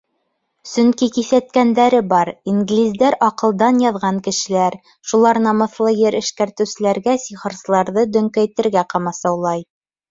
Сөнки киҫәткәндәре бар: инглиздәр — «аҡылдан яҙған» кешеләр, шулар намыҫлы ер эшкәртеүселәргә сихырсыларҙы дөңкәйтергә ҡамасаулай.